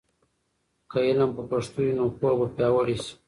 که علم په پښتو وي، نو پوهه به پیاوړې سي.